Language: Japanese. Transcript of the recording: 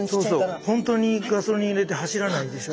そうそう本当にガソリン入れて走らないでしょ。